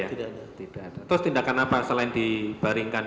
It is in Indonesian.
tidak terus tindakan apa selain dibaringkan